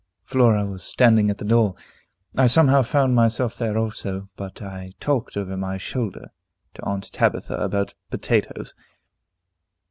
Flora was standing at the door. I somehow found myself there also; but I talked over my shoulder to Aunt Tabitha about potatoes.